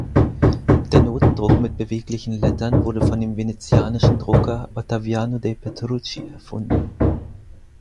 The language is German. Der Notendruck mit beweglichen Lettern wurde von dem venezianischen Drucker Ottaviano dei Petrucci erfunden.